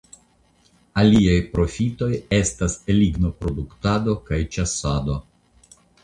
Aliaj profitoi estas lignoproduktado kaj ĉasado.